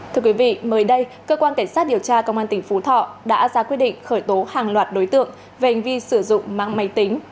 thưa quý vị mới đây cơ quan cảnh sát điều tra công an tỉnh phú thọ đã ra quyết định khởi tố hàng loạt đối tượng về hành vi sử dụng mạng máy tính